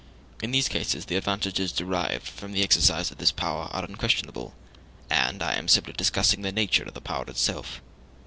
In these cases the advantages derived from the exercise of this power are unquestionable, and I am simply discussing the nature of the power itself.